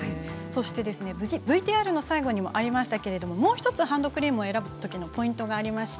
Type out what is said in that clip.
ＶＴＲの最後にもありましたけれどハンドクリームを選ぶときのポイントがあります。